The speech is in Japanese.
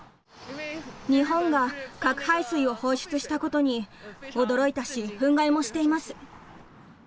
日本が核廃水を放出したことに、驚いたし、憤慨もしています。